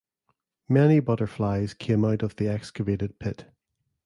Many butterflies came out of the excavated pit.